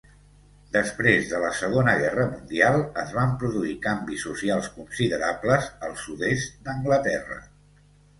Després de la Segona Guerra Mundial, es van produir canvis socials considerables al sud-est d'Anglaterra.